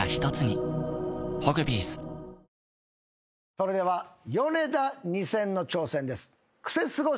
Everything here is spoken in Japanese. それではヨネダ２０００の挑戦です。